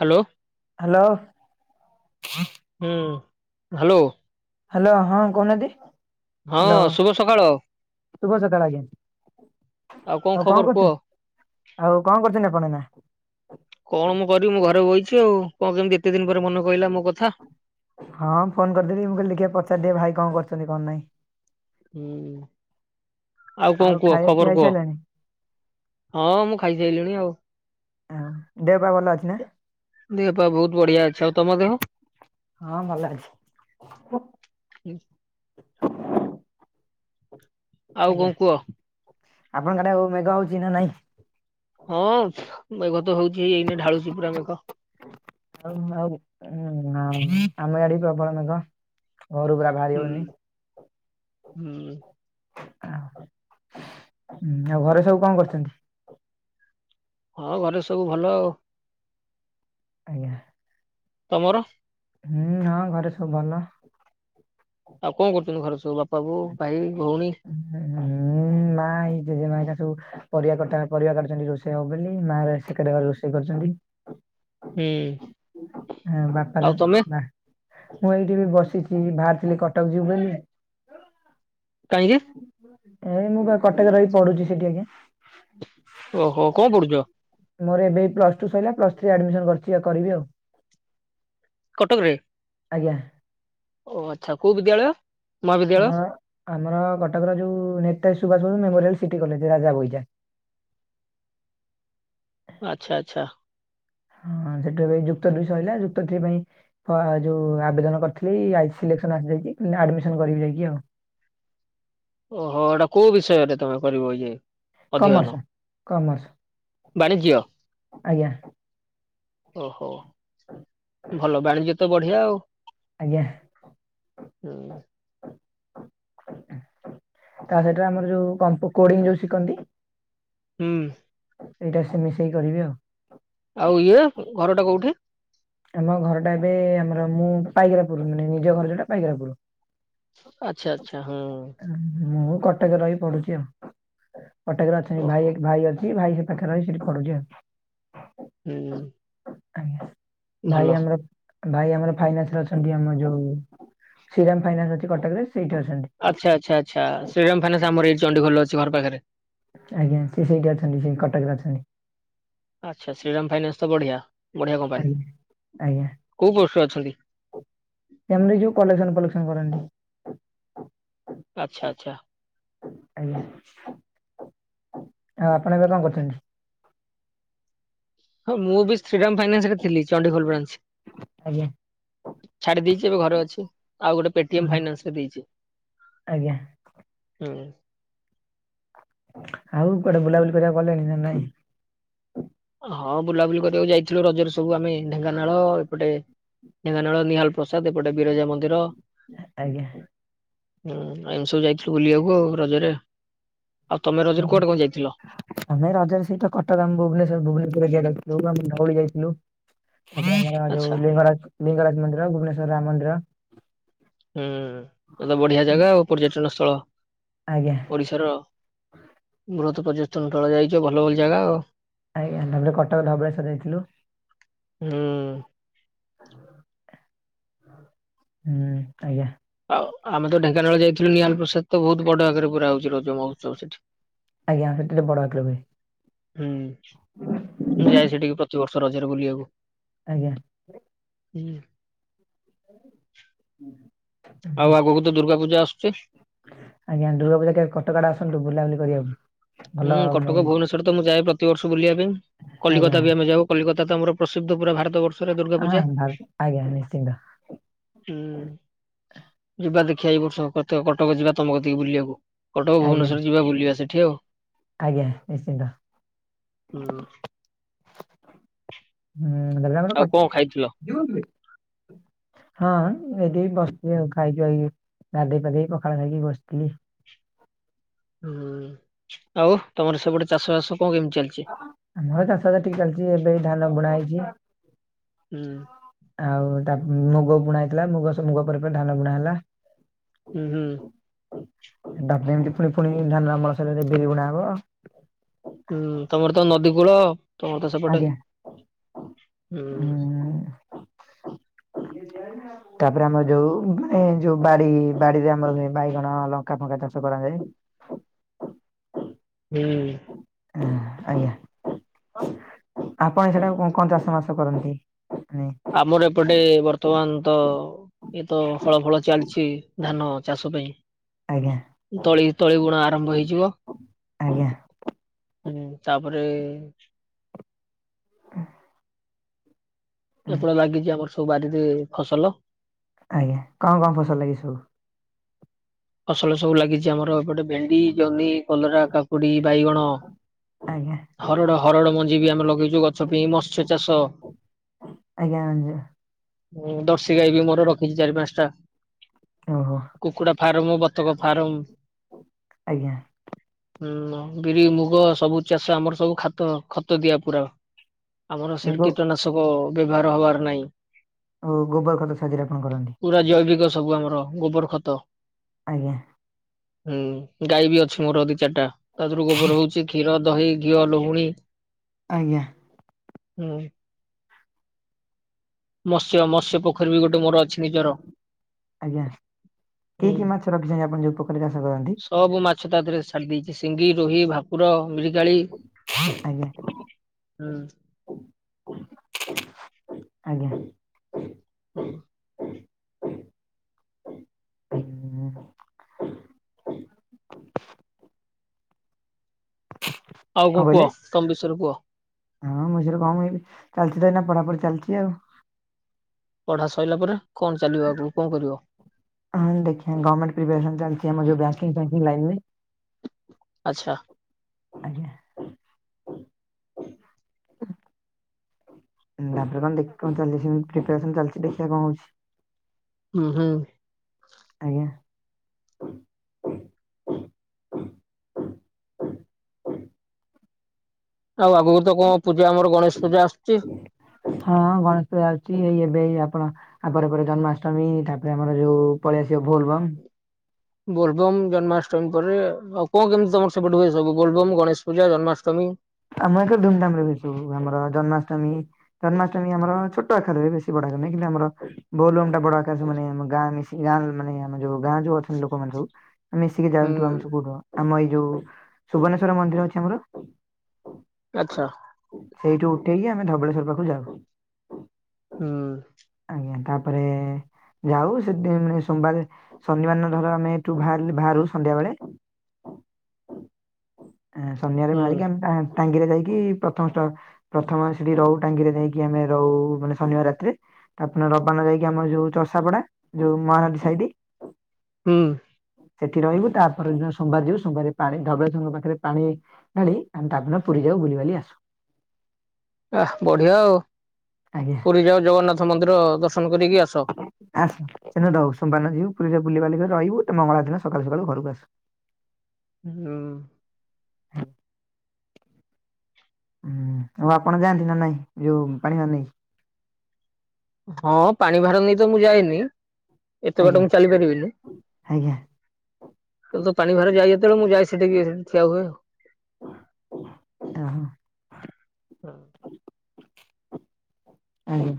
Hello! Hello. ହୁଁ hello. Hello ହଁ କହୁନାହାନ୍ତି, ହଁ ହ୍ୟାଲୋ ଶୁଭ ସକାଳ ଶୁଭ ସକାଳ ଆଜ୍ଞା ଆଉ କଣ କରୁଛ ଆଉ କଣ କରୁଛନ୍ତି ଆପଣ ଏୟିନା? କଣ ମୁଁ କରିବି ମୁଁ ଘରେ ବଇଚି ଆଉ କଣ କେମିତି ଏତେ ଦିନ ପରେ ମନେ ପଇଲା ମୋ କଥା। ହଁ ଫୋନ କରିଦେବି ମୁଁ କହଲି ଦେଖିବା ପଚାରିଦିଏ ଭାଇ କଣ କରୁଛନ୍ତି କଣ ନାଇଁ। ହୁଁ ଆଉ କଣ କୁହ ଖାଇବା ପିଇବା ଖବର କୁହ। ହେଇସାରିଲାଣି? ହଁ ମୁଁ ଖାଇସାରିଲିଣି ଆଉ। ଆଉ ଦେହ ପା ଭଲ ଅଛି ନା? ଦେହପା ବହୁତ ବଢିଆ ଅଛି ଆଉ ତମ ଦେହ? ହଁ ଭଲ ଅଛି। ଆଉ କଣ ଆଜ୍ଞା କୁହ ଆପଣଙ୍କ ଆଡେ ଆଉ ମେଘ ହଉଛି ନା ନାଇଁ? ହଁ ମେଘ ତ ହଉଛି ଏଇ ଏୟିନେ ଢାଳୁଛି ପୁରା ମେଘ। ଆଉ ହଁ ଆମେ ଆଡେ ବି ପ୍ରବଳ ମେଘ ଘରୁ ବାହାର ହୁଁ। ବାହରିହଉନି। ହୁଁ ହଁ ଆଉ ଘରେ ସବୁ କଣ କରୁଛନ୍ତି? ହଁ ଘରେ ସବୁ ଭଲ ଆଉ। ଆଜ୍ଞା ତମର? ହୁଁ ହଁ ଘରେ ସବୁ ଭଲ। ଆଉ କଣ କରୁଛନ୍ତି ଘର ସବୁ ବାପା ବୋଉ ଭାଇ ଭଉଣୀ? ହୁଁ ମା ଏୟୀ ଜଜେମା ହେରିକା ସବୁ ପରିବା କଟା ପରିବା କାଟୁଛନ୍ତି ରୋଷେଇ ହବ ବୋଲି ମା ସେକାନୀ ରୋଷେଇ କରୁଛନ୍ତି। ହୁଁ ହଁ ଆଉ ବାପାର ତମେ ବା ମୁଁ ଏଇଠି ବି ବସିଛି ବାହାରିଥିଲି କଟକ ଯିବୁ ବୋଲି। କାହିଁକି? ଏଇ ମୁଁ ପା କଟକରେ ରହି ପଢୁଛି ସେଇଠି ଆଜ୍ଞା। ଓହୋ କଣ ପଡୁଛ? ମୋର ଏବେ ପ୍ଲସ୍ ଟୁ ସରିଲା ପ୍ସ ଥ୍ରୀ ଆଡ଼ମିସନ କରିଛି କରିବି ଆଉ। କଟକରେ? ଆଜ୍ଞା ଓ ଆଚ୍ଛା କୋଉ ବିଦ୍ୟାଳୟ? ମହାବିଦ୍ୟାଳୟ ଆମର ଆମର କଟକର ଯୋଉ ନେତା ସୁବାଷ ବୋଷ ମେମୋରିଆଲ ସିଟି କଲେଜ ରାଜା ବୋଇଜା। ଆଚ୍ଛା ଆଚ୍ଛା ହଁ ସେଠୁ ଏବେ ଯୁକ୍ତ ଦୁଇ ସହିଲା ଯୁକ୍ତ ଥ୍ରୀ ପାଇଁ ଯୋଉ ଆବେଦନ କରିଥିଲି ସିଲେକ୍ସନ ଆସିଯାଇଛି ଆଡମିସନ କରିବି ଯାଇକି ଆଉ। ଓହୋ ଏଇଟା କୋଉ ବିଷୟରେ ତମେ କରିବ ଇଏ? କମର୍ସ ଅଧ୍ୟୟନ କମର୍ସ ବାଣିଜ୍ୟ? ଆଜ୍ଞା ଓହୋ ହଁ ଭଲ ବାଣିଜ୍ୟ ତ ବଢିଆ ଆଉ। ଆଜ୍ଞା ହୁଁ ତା ସହିତ ଆମର ଯୋଉ କୋଡ଼ିଙ୍ଗ ଯୋଉ ଶିଖନ୍ତି? ହୁଁ ଏଇଟା ସେ ମିଶେଇ କରିବି ଆଉ। ଆଉ ଇଏ ଘରଟା କୋଉଠି? ଆମ ଘର ଟା ଏବେ ଆମର ମୁଁ ପାଇକରା ପୁର ମାନେ ନିଜ ଘରାଟା ପାଇକରା ପୁର। ଆଚ୍ଛା ଆଚ୍ଛା ହଁ ମୁଁ କଟକରେ ରହି ପଡୁଛି ଆଉ କଟକରେ ଅଛନ୍ତି ଓହୋ ଭାଇ ଭାଇ ଅଛନ୍ତି। ସେ ଭାଇ ସେ ପାଖରେ ରହି ସେଠି ପଢୁଛି ଆଉ। ହୁଁ ଆଜ୍ଞା ଭଲ ଭାଇ ଆମର ଭାଇ ଆମର ଫାଇନାନ୍ସ ରେ ଅଛନ୍ତି ଆମ ଯୋଉ ଶ୍ରୀରାମ ଫାଇନାନ୍ସ ଅଛି କଟକରେ ସେଇଠି ଅଛନ୍ତି। ଆଚ୍ଛା ଆଚ୍ଛା ଆଚ୍ଛା ଶ୍ରୀରାମ ଫାଇନାନ୍ସ ଆମ ଏଇ ଚଣ୍ଡି ଖୋଲ ଅଛି ଘର ପାଖରେ। ଆଜ୍ଞା ସେ ସେଇଠି ଅଛନ୍ତି ସେ କଟକରେ ଅଛନ୍ତି। ଆଚ୍ଛା ଶ୍ରୀରାମ ଫାଇନାନ୍ସ ତ ବଢ଼ିଆ। ଆଜ୍ଞା ଆଜ୍ଞା। କୋଉ ପୋଷ୍ଟରେ ଅଛନ୍ତି [unintelligible] ଯୋଉ କଲେକ୍ସନ୍ ଫଲେକ୍ସନ କରନ୍ତି। ଆଚ୍ଛା ଆଚ୍ଛା। ଆଜ୍ଞା ଆଉ ଆପଣ ଏବେ କଁ କରୁଚନ୍ତି। ହଁ ମୁଁ ବି ଶ୍ରୀରାମ ଫାଇନାନ୍ସ ରେ ଥିଲି ଚଣ୍ଡିଖୋଲ ବ୍ରାଞ୍ଚ। ଆଜ୍ଞା ଛାଡି ଦେଇଛି ଏବେ ଘରେ ଅଛି ଆଉ ଗୋଟେ ଓ, ପେଟିମ୍ ଫାଇନାନ୍ସ ରେ ଦେଇଚି। ଆଜ୍ଞା। ହୁଁ। ଆଉ କୁଆଡେ ବୁଲାବୁଲି କରିବାକୁ ଗଲେଣି ନା ନାଇଁ। ହଁ ବୁଲାବୁଲି କରିବାକୁ ଯାଇଥିଲୁ ରଜରେ ସବୁ ଆମେ ଢେଙ୍କାନାଳ ଏପଟେ ଢେଙ୍କାନାଳ ନିହାଲ ପ୍ରସାଦ ଏପଟେ ବିରଜା ମନ୍ଦିର। ଆଜ୍ଞା। ହୁଁ [unintelligible] ସବୁ ଯାଇଥିଲୁ ବୁଲିବାକୁ ଆଉ ରଜରେ ଆଉ ତମେ ରଜରେ କୁଆଡେ କଁ ଯାଇଥିଲ। ଆମେ ରଜାରେ ସେଇତ କଟକ ଆମ ଭୁବନେଶ୍ୱର ଭୁବନେଶ୍ୱରରେ [unintelligible] ଧଉଳି ଯାଇଥିଲୁ। [unintelligible] ଆଚ୍ଛା ଯୋଉ ଲିଙ୍ଗରାଜ ଲିଙ୍ଗରାଜ ମନ୍ଦିର ଭୁବନେଶ୍ୱର ରାମ ମନ୍ଦିର। ହୁଁ ଏତ ବଢିଆ ଜାଗା ଆଉ ପର୍ଯ୍ୟଟନ ସ୍ଥଳ। ଆଜ୍ଞା। ଓଡିଶାର ବୃହତ ପର୍ଯ୍ୟଷ୍ଟନ [unintelligible] ଯାଇଚ ଭଲ ଭଲ ଜାଗା ଆଉ। ଆଜ୍ଞା ତାପରେ କଟକ ଧବଳେ ସ୍ୱର ଯାଇଥିଲୁ। ହୁଁ। ହୁଁ ଆଜ୍ଞା। ଆଉ ଆମେ ତ ଢେଙ୍କାନାଳ ଯାଇଥିଲୁ ନିହାଲ ପ୍ରସାଦ ତ ବୋହୁତ ବଡ ଆକାରରେ କରା ହୋଉଛି ରଜ ମହୋତ୍ସବ ସେଠି। ଆଜ୍ଞା ହେଟି ଟିକେ ବଡ ଆକାରରେ ହୁଏ। ହୁଁ ମୁଁ ଯାଏ ସେଠିକି ପ୍ରତିିବର୍ଷ ରଜରେ ବୁଲିବାକୁ। ଆଜ୍ଞା। ହୁଁ। [unintelligible] ଆଉ ଆଗୁକୁ ତ ଦୁର୍ଗା ପୂଜା ଆସୁଚି। ଆଜ୍ଞା ଦୁର୍ଗା ପୂଜା କେବେ କଟକ ଆଡ଼େ ଆସନ୍ତୁ ବୁଲାବୁଲି କରିବାକୁ। ଭଲ ହୁଁ ମାନେ କଟକ ଭୁବନେଶ୍ୱର ତ ମୁଁ ଯାଏ ପ୍ରତିବର୍ଷ ବୁଲିବା ପାଇଁ ଆଜ୍ଞା କଲିକତା ବି ଆମେ ଯାଉ। କୋଲିକତା ତ ଆମର ପ୍ରସିଦ୍ଧ ପୁରା ଭାରତ ବର୍ଷରେ ଦୁର୍ଗା ହଁ ପୂଜା। ଭାବ- ଆଜ୍ଞା ନିଶ୍ଚିନ୍ତ ହୁଁ। ଯିବା ଦେଖିଆ ଏଇ ବର୍ଷ [unintelligible] କଟକ ଯିବା ତମ କତିକି ବୁଲିବାକୁ କଟକ ଆଜ୍ଞା ଭୁବନେଶ୍ୱର ଯିବା ବୁଲିବା ସେଠି ଆଉ। ଆଜ୍ଞା ନିଶ୍ଚିନ୍ତ। ହୁଁ। ଆଉ କଣ ଖାଇଥିଲ? ହୁଁ [unintelligible] ହଁ ଏଠି ଏଇ ବସିଥିଲି ଆଉ ଖାଇକି ଆଇକି ଗାଧୋଇ ପାଧେଇ ପଖାଳ ଖାଇକି ବସିଥିଲି। ହୁଁ ଆଉ ତମର ସେପଟେ ଚାଷ ବାସ କଁ କେମିତି ଚାଲିଚି। ଆମର ଚାଷ [unintelligible] ଚାଲିଚି ଏବେ ଏଇ ଧାନ ବୁଣା ହେଇଚି। ହୁଁ। ଆଉ ତା ମୁଗ ବୁଣା ହେଇଥିଲା ମୁଗ ସ ମୁଗ ପରେ ପରେ ଧାନ ବୁଣା ହେଲା। ହୁଁ ହୁଁ। ତାପରେ ଏମିତି ଫୁଣି ଫୁଣି ଧାନ ଅମଳ ସାଇଲେ [unintelligible] ବିରି ବୁଣା ହବ। ହୁଁ ତମର ତ ନଦୀ କୂଳ ତମର ତ ସେପଟେ ଆଜ୍ଞା ହୁଁ ତାପରେ ଆମର ଯୋଉ ମାନେ ଯୋଉ ବାରି ବାଡିରେ ଆମର [unintelligible] ବାଇଗଣ ଲଙ୍କା ଫଙ୍କା ଚାଷ କରାଯାଏ। ହୁଁ। [unintelligible] ଆଜ୍ଞା। [unintelligible] ଆପଣଙ୍କ [unintelligible] କଁ ଚାଷ ମାସ କରନ୍ତି [unintelligible] ଆମର ଏପଟେ ବର୍ତ୍ତମାନ ତ ଏଇ ତ ହଳ ଫଳ ଚାଲିଛି ଧାନ ଚାଷ ପାଇଁ ଆଜ୍ଞା। ତଳି ତଳି ଵୁଣା ଆରମ୍ଭ ହେଇଯିବ। ଆଜ୍ଞା। ହୁଁ ତାପରେ ହ ଏପଟେ ଲାଗିଛି ଆମର ସବୁ ବାରିରେ ଫସଲ ଆଜ୍ଞା କଣ କଣ ଫସଲ ଲାଗିଛି ସବୁ? ଫସଲ ସବୁ ଲାଗିଛି ଆମର ଏପଟେ ଭେଣ୍ଡି, ଜହ୍ନି, କଲରା, କାକୁଡି, ବାଇଗଣ। ଆଜ୍ଞା ହରଡ ହରଡ ମଞ୍ଜି ବି ଆମେ ଲଗେଇଛୁ ଗଛ ପାଇଁ ମତ୍ସ୍ୟ ଚାଷ ଆଜ୍ଞା। ହଁ ଦର୍ଶୀ ଗାଈ ବି ମୋର ରଖିଛି ଚାରି ପାଞ୍ଚଟା। ଓହୋ। କୁକୁଡା ଫାର୍ମ ବତକ ଫାର୍ମ ଆଜ୍ଞା। ହୁଁ ବିରି ମୁଗ ସବୁ ଚାଷ ଆମର ସବୁ ଖାତ ଖତ ଦିଆ ପୁରା ଆମର ସେ ଗୋ କୀଟନାଶକ ବ୍ୟବହାର ହବାର ନାହିଁ। ଓ ଗୋବର ଖତ ସାଜିରେ ଆପଣ କରନ୍ତି। ପୁରା ଜୈବିକ ସବୁ ଆମର ଗୋବର ଖତ। ଆଜ୍ଞା। ହୁଁ ଗାଈ ବି ଅଛି ମୋର ଦି ଚାରିଟା ତା ଦେହରୁ ଗୋବର ହଉଛି କ୍ଷୀର ଦହି ଘିଅ ଲହୁଣୀ ଆଜ୍ଞା। ହୁଁ। ମତ୍ସ୍ୟ ମତ୍ସ୍ୟ ପୋଖରୀ ବି ଗୋଟେ ମୋର ଅଛି ନିଜର। ଆଜ୍ଞା କି ହୁଁ। କି ମାଛ ରଖିଛନ୍ତି ଆପଣ ଯୋଉ ପୋଖରୀ ଚାଷ କରନ୍ତି? ସବୁ ମାଛ ତା ଦେରେ ଛାଡି ଦେଇଛି ସିଙ୍ଗି ରୋହି ଭାକୁ କୁର ମିରିକାଳି ଆଜ୍ଞା। ହୁଁ। ଆଜ୍ଞା। ହଁ। କଣ ଆଉ କଣ କହିଲେ? କୁହ ତମର ଵିଷୟରେ କୁହ। ହଁ ମୋ ବିଷୟରେ କଣ କହିବି ଚାଲିଛି ତ ଏନା ପଢାପଢି ଚାଲିଛି ଆଉ। ପଢା ସରିଲା ପରେ କଣ ଚାଲିବ ଆଗକୁ କଣ କରିବ? ହଁ ଦେଖିବ ଗମେଣ୍ଟ ପ୍ରିପ୍ରାସନ୍ ଚାଲିଛି ବ୍ୟାଙ୍କଙ୍ଗି ଫ୍ୟାଙ୍କି ଲାଇନି ରେ ଆଚ୍ଛା। ଆଜ୍ଞା। ତାପରେ କଣ କଣ ଚାଲି ସେମତି ପ୍ରିପସନ ଚାଲିଛି ଦେଖିବା କଣ ହଉଛି। ହୁଁ ହୁଁ। ଆଜ୍ଞା। ଆଉ ଆଗକୁ ତ କଣ ପୂଜା ଆମର ଗଣେଶ ପୂଜା ଆସୁଛି। ହଁ ଗଣେଶ ପୂଜା ଆସୁଚି ଏଇ ଏବେ ଏଇ ଆପଣ ଆ ପରେ ପରେ ଜନ୍ମାଷ୍ଟମୀ ତାପରେ ଆମର ଯୋଉ ପଳେଇଆସିବ ବୋଲବମ। ବୋଲବମ୍ ଜନ୍ମାଷ୍ଟମୀ ପରେ ଆଉ କଣ କେମିତି ତମର ସେପଠୁ ହୁଏ ସବୁ ବୋଲବମ ଗଣେଶ ପୂଜା ଜନ୍ମାଷ୍ଟମୀ। ଆମ ଏକ ଧୁମଧାମରେ ମିଶିବୁ ଆମର ଜନ୍ମାଷ୍ଟମୀ ଜନ୍ମାଷ୍ଟମୀ ଆମର ଛୋଟ ଆକାରରେ ବେଶୀ ବଡାଆକା ନାହିଁ କିନ୍ତୁ ଆମର ବୋଲବମ ଟା ବଡ ଆକାଶ ମାନେ ଗାଁ ମିଶି ଗଁ ମାନେ ଆମ ଯୋଉ ଗାଁ ଯୋଉ ଅଛନ୍ତି ଲୋକମାନେ ସବୁ ଆ ମିଶିକି ହୁଁ ଯାଆନ୍ତୁ ଆମ ସ କଉଠୁ ଆମ ଏଇ ଯୋଉ ସୁୁବନେଶ୍ୱର ମନ୍ଦିର ଅଛି ଆମର ଆଚ୍ଛା। ସେଇଠୁ ଉଠେଇକି ଆମେ ଧବଳେଶ୍ଵର ପାଖକୁ ଯାଉ। ହଁ। ଆଜ୍ଞା ତାପରେ ଯାଉ ସେଦେ ସୋମବାରେ ଶନିବାର ଧର ଆମେ ଏଠୁ ବାହାରି ବାହାରୁ ସନ୍ଧ୍ୟା ବେଳେ ଆଃ ସନ୍ଧ୍ୟାରେ ମାରିକି ହୁଁ ଆମେ ଟାଙ୍ଗିରେ ଯାଇକି ପ୍ରଥମ ଷ୍ଟ ପ୍ରଥମେ ସେଠି ରହୁ ଟାଙ୍ଗିରେ ଦେଇକି ଆମେ ରହୁ ମାନେ ଶନିବାର ରାତିରେ ତାପ ରବାନ ଯାଇକି ଆମର ଯୋଉ ଚଷାପଡା ଯୋଉ ମହାନଦୀ ସାଇଟ ହୁଁ। ସେଠି ରହିବୁ ତାପରେ ଦିନ ସୋମବାର ଯିବୁ ସୋମବାରେ ପାଣି ଧବଳେଶ୍ଵରଙ୍କ ପାଖରେ ପାଣି ଢାଳି ତାପରେ ଦିନ ପୁରୀଯାଉ ବୁଲିିବାଲି ଆସୁ। ଆ ବଢିଆ ଆଉ ଆଜ୍ଞା ପୁରୀ ଯାଉ ଜଗନ୍ନାଥ ମନ୍ଦିର ଦର୍ଶନ କରିକି ଆସ। ଆସ ଏ ର ସୋମବାର ଦିନ ଯିବୁ ପୁରୀରେ ବୁଲିିବାଲିକି ରହିବୁ ମଙ୍ଗଳବାର ଦିନ ସକାଳୁ ସକାଳୁ ଘରକୁ ଆସିବୁ। ହଁ ହୁଁ ଆଉ ଆପଣ ଯାଆନ୍ତି ନା ନାଇଁ ଯୋଉ ପାଣିିବା ନେଇ। ହଁ ପାଣି ଭାର ନେଇ ତ ମୁଁ ଯାଇନି ଏତେ ବାଟ ଆଜ୍ଞା ମୁଁ ଚାଲିପାରିବିନି। ଆଜ୍ଞା ତ ତ ପାଣି ଭାର ଯାଇ ଯେତେବେଳେ ମୁଁ ଯାଏ ସେଠିକ ଠିଆ ହୁଏ ଆଉ। ଓ ହୋ ଆଉ। ଆଜ୍ଞା।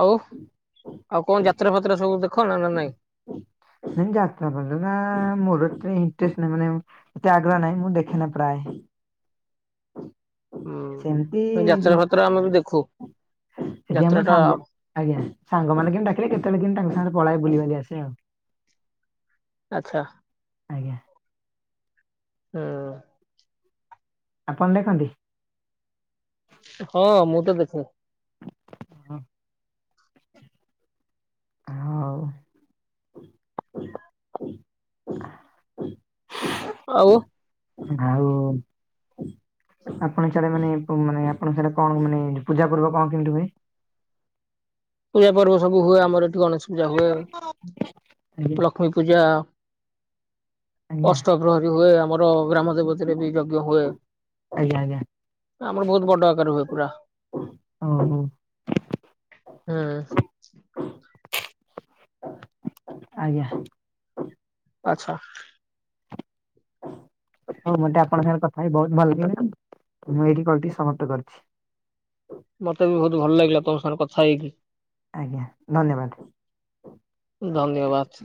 ଆଉ ଆଉ କଣ ଯାତ୍ରା ଫାତ୍ରା ସବୁ ଦେଖ ନା ନା ନାଇଁ। ନ ଯାତ୍ରା ଫାତ୍ରା ମୋର ଏତେ ଇଣ୍ଟରେଷ୍ଟ ନାଇଁ ମାନେ ଏତେ ଆଗ୍ରହ ନାହିଁ ମୁଁ ଦେଖେନା ପ୍ରାୟ। ସେମିତି ହୁଁ ଯାତ୍ରା ଫାତ୍ର ଆମେ ବି ଦେଖୁ। ଏଠି ଆ ମୋ ଯାତ୍ରା ଟା ସାଙ୍ଗ ଆଜ୍ଞା ସାଙ୍ଗମାନେ କେମି ଡାକିଲେ କେତେବେଳେ କେମତି ତାଙ୍କ ସାଙ୍ଗ ପଳେଇ ବୁଲିବାଲି ଆସେ ଆଉ। ଆଚ୍ଛା ଆଜ୍ଞା। ହୁଁ। ଆପଣ ଦେଖନ୍ତି? ହଁ ମୁଁ ତ ଦେଖିନି। ହଁ। ହଉ। [unintelligible] ଆଉ ହଉ। ଆପଣ ସିଆଡେ ମାନେ ମାନେ ଆପଣଙ୍କ ସିଆଡେ କଣ ମାନେ ପୂଜା ପର୍ବ କଣ କେମିତି ହୁଏ? ପୂଜା ପର୍ବ ସବୁ ହୁଏ ଆମର ଏଠି ଗଣେଶ ପୂଜା ହୁଏ। ଆଜ୍ଞା। ଲକ୍ଷ୍ମୀ ପୂଜା। ଆଜ୍ଞା ଅଷ୍ଟ ପ୍ରହରୀ ହୁଏ ଆମର ଗ୍ରାମ ଦେବତୀରେ ବି ଯଜ୍ଞ ହୁଏ। ଆଜ୍ଞା ଆଜ୍ଞା। ଆମର ବହୁତ ବଡ ଆକାରରେ ହୁଏ ପୁରା। ଓ ହୋ। ହଁ। ଆଜ୍ଞା। ଆଚ୍ଛା। ହଁ ମତେ ଆପଣଙ୍କ ସାଙ୍ଗରେ କଥା ହି ବହୁତ ଭଲ ଲାଗିଲା ମୁଁ ଏଇଠି କଲଟି ସମାପ୍ତ କରିଛି। ମତେ ବି ବହୁତ ଭଲ ଲାଗିଲା ତମ ସାଙ୍ଗରେ କଥା ହେଇକି। ଆଜ୍ଞା ଧନ୍ୟବାଦ। ଧନ୍ୟବାଦ।